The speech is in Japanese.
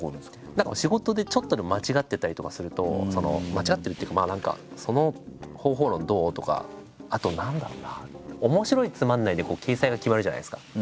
何か仕事でちょっとでも間違ってたりとかすると間違ってるっていうか何かその方法論どう？とかあと何だろうな面白いつまんないで掲載が決まるじゃないですか。